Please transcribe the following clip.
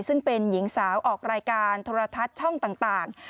ซึ่งเป็นหญิงสาวออกรายการโทรทัศน์ช่องต่าง